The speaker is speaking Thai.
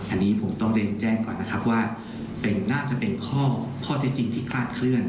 อันนี้ผมต้องเรียนแจ้งก่อนนะครับว่าน่าจะเป็นข้อเท็จจริงที่คลาดเคลื่อน